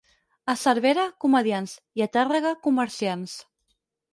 A Cervera, comediants; i a Tàrrega, comerciants.